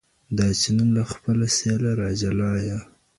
دا چي نن له خپله سېله را جلا یې